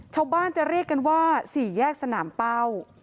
ชาวบ้านจะเรียกกันว่าสี่แยกสนามเป้า